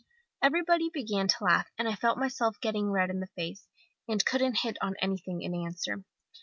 "Everybody began to laugh, and I felt myself getting red in the face, and couldn't hit on anything in answer.